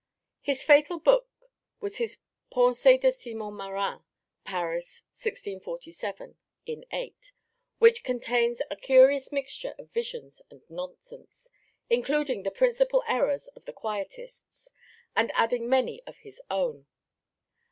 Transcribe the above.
His fatal book was his Pensées de Simon Morin (Paris, 1647, in 8), which contains a curious mixture of visions and nonsense, including the principal errors of the Quietists and adding many of his own.